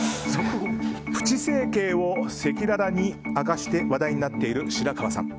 プチ整形を赤裸々に明かして話題になっている白川さん。